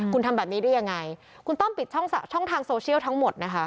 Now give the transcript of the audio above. คุณทำแบบนี้ได้ยังไงคุณต้องปิดช่องทางโซเชียลทั้งหมดนะคะ